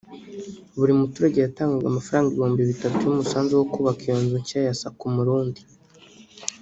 Buri muturage yatangaga amafaranga ibihumbi bitatu y’umusanzu wo kubaka iyo nzu nshya ya Sacco Murundi